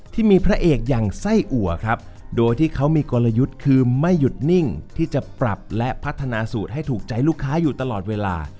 ที่มีพระเอกอย่างไส้อัวครับโดยที่เขามีกลยุทธ์คือไม่หยุดนิ่งที่จะปรับและพัฒนาสูตรให้ถูกใจลูกค้าอยู่ตลอดเวลา